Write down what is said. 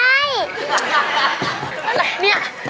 อะไรเนี่ย